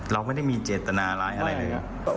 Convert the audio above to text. เราไม่ได้มีเจตนาอะไร